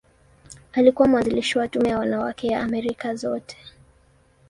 Alikuwa mwanzilishi wa Tume ya Wanawake ya Amerika Zote.